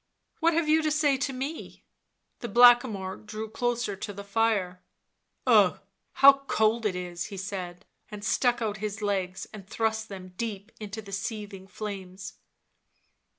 (l What have you to say to me ?" The Blackamoor drew closer to the fire. " Ugh ! how cold it is !" he said, and stuck out his legs and thrust them deep into the seething flames.